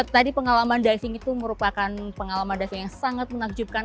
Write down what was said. dan pengalaman saya di dalam diving itu merupakan pengalaman yang sangat menakjubkan